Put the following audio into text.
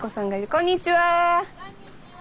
こんにちは。